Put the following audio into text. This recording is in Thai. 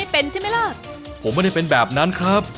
ผมไม่ได้เป็นแบบนั้นครับ